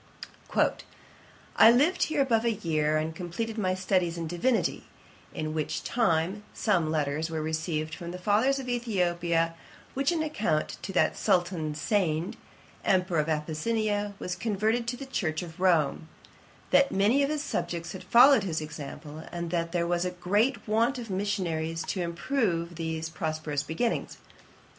'I lived here above a year, and completed my studies in divinity; in which time some letters were received from the fathers of Ethiopia, with an account that Sultan Segned, Emperour of Abyssinia, was converted to the church of Rome; that many of his subjects had followed his example, and that there was a great want of missionaries to improve these prosperous beginnings.